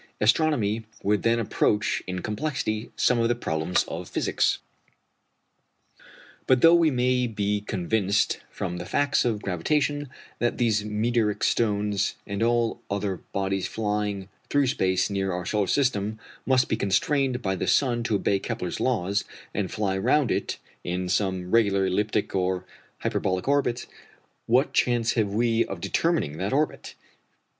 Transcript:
Astronomy would then approach in complexity some of the problems of physics. But though we may be convinced from the facts of gravitation that these meteoric stones, and all other bodies flying through space near our solar system, must be constrained by the sun to obey Kepler's laws, and fly round it in some regular elliptic or hyperbolic orbit, what chance have we of determining that orbit?